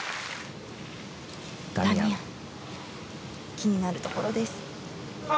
気になるところです。